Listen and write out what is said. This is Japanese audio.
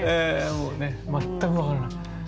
もうね全く分からない。